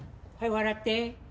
笑って。